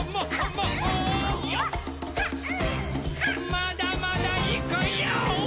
まだまだいくヨー！